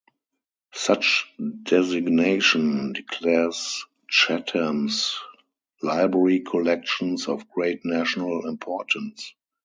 Such designation declares Chetham's Library collections of great national importance.